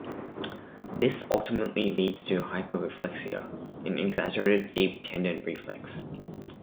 This ultimately leads to hyperreflexia, an exaggerated deep tendon reflex.